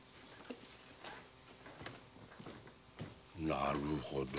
なるほど。